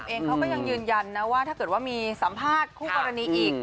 เองเขาก็ยังยืนยันนะว่าถ้าเกิดว่ามีสัมภาษณ์คู่กรณีอีก